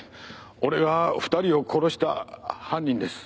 俺が２人を殺した犯人です。